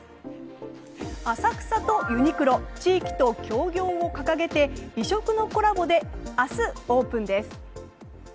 浅草とユニクロ地域と協業を掲げて異色のコラボで明日、オープンです。